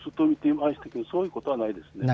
そういうことはないです。